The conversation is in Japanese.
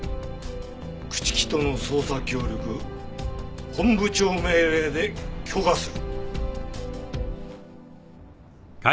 朽木との捜査協力本部長命令で許可する。